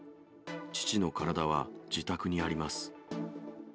父の体は自宅にあります。